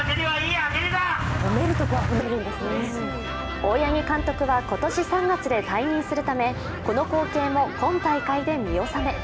大八木監督は今年３月で退任するため、この光景も今大会で見納め。